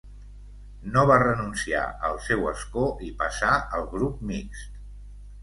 No va renunciar al seu escó i passà al grup mixt.